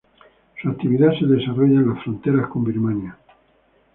Su actividad se desarrolla en la frontera con Birmania.